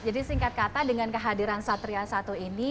jadi singkat kata dengan kehadiran satria satu ini